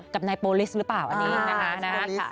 กับนายโปรลิสหรือเปล่าอันนี้นะคะ